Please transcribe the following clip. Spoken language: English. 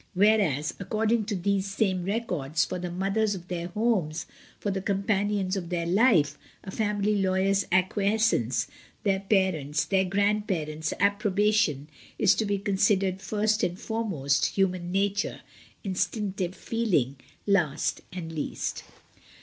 ... Whereas (according to these same records) for the mothers of their homes, for the companions of their life, a family lawyer's acquiescence, their parents', their grandparents' ap probation is to be considered first and foremost, human nature, instinctive feeling, last and least.